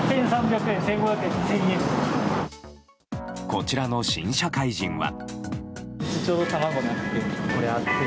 こちらの新社会人は。